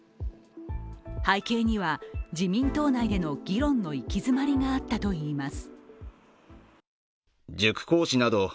背景には自民党内での議論の行き詰まりがあったといいます。